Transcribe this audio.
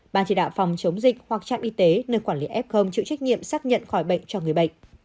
ban chỉ đạo phòng chống dịch hoặc trạm y tế nơi quản lý f chịu trách nhiệm xác nhận khỏi bệnh cho người bệnh